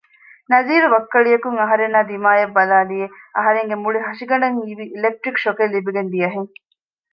ނަޒީރު ވައްކަޅިއަކުން އަހަރެންނާ ދިމާއަށް ބަލައިލިއެވެ އަހަރެންގެ މުޅި ހަށިގަނޑަށް ހީވީ އިލެކްޓްރިކް ޝޮކެއް ލިބިގެން ދިޔަހެން